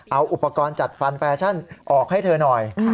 เอาอุปกรณ์จัดฟันแฟชั่นออกให้เธอหน่อย